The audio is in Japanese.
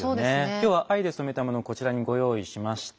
今日は藍で染めたものをこちらにご用意しました。